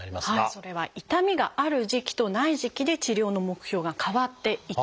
それは痛みがある時期とない時期で治療の目標が変わっていきます。